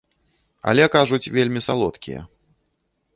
Але, кажуць, вельмі салодкія.